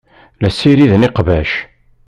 La ssiriden iqbac.